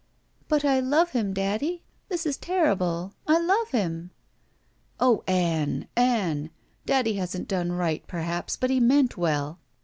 "But I love him, daddy. This is terrible. I love him." "Oh, Ann, Ann! daddy hasn't done right, perhaps, but he meant well.